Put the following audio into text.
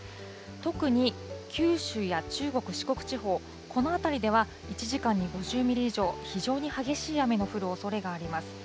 特に九州や中国、四国地方、この辺りでは１時間に５０ミリ以上、非常に激しい雨の降るおそれがあります。